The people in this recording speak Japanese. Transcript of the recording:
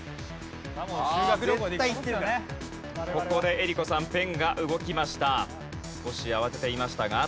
ここで江里子さんペンが動きました。